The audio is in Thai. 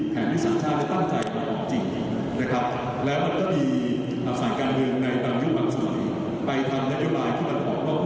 ไปทำระยะบายที่มันของพวกผู้ร่วมคลาด